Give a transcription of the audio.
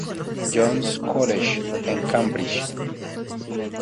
John's College en Cambridge.